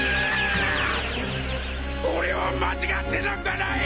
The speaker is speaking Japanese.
俺は間違ってなんかない